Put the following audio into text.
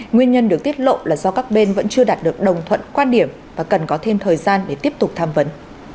nguyên nhân được tiết lộ là do các bên vẫn chưa đạt được đồng thuận quan điểm và cần có thêm thời gian để tiếp tục tham vấn